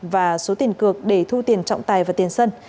và số tiền cược để thu tiền trọng tài và tiền sân